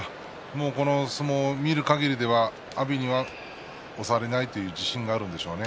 この相撲を見るかぎりでは阿炎には押されないという自信があるんでしょうね